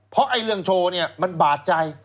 เพราะเรื่องโชว์มันบาดใจ